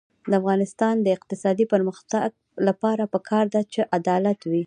د افغانستان د اقتصادي پرمختګ لپاره پکار ده چې عدالت وي.